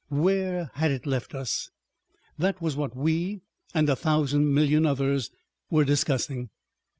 Where had it left us? That was what we and a thousand million others were discussing.